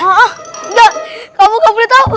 enggak kamu gak boleh tahu